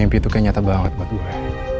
mimpi itu kan nyata banget buat gue